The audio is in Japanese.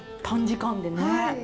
短時間でね。